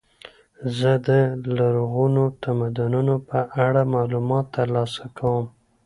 زه د لرغونو تمدنونو په اړه معلومات ترلاسه کوم.